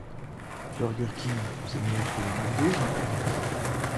Burker King c'est meilleur que le MacDo non?